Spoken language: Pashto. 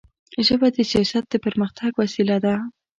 ژبه د سیاست د پرمختګ وسیله ده